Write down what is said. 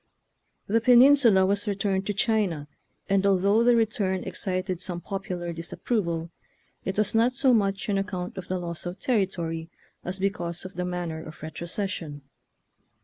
The penin sula was returned to China, and although the return excited some popular disap proval, it was not so much on account of the loss of territory as because of the man ner of retrocession.